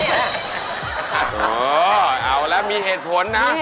โอ้โหเอาแล้วมีเหตุผลนะ